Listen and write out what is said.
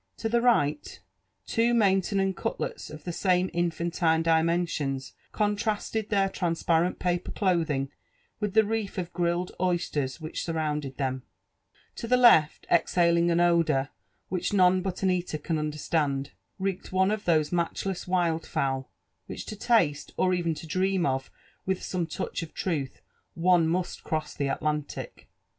To the right, two Maintenon cutlets of the same infantine dimensions contrasted their transparent paper clothing with the wreath of grilled oysters which surrounded them, To the left, exhaling an odour which none but an eater can understand, Peeked one of those matchless wild^fowl, which to taste, or even to dream of with some touch of truth, one must cross the Atlantic.